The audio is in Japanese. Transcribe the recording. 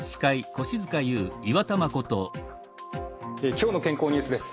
「きょうの健康ニュース」です。